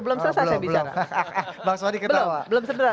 belum selesai saya bicara